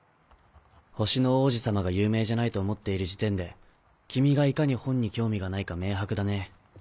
『星の王子さま』が有名じゃないと思っている時点で君がいかに本に興味がないか明白だね。